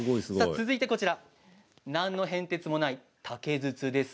こちらは何の変哲もない竹筒です。